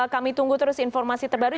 kami tunggu terus informasi terbaru